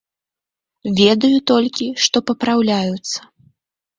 Ведаю толькі, што папраўляюцца.